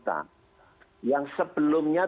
dan hasil yang sama